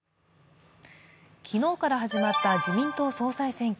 昨日から始まった自民党総裁選挙。